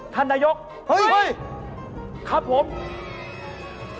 ท่านนายกครับผมเฮ้ย